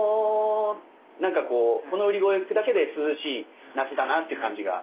なんかこうこの売り声を聞くだけで涼しい夏だなっていう感じが。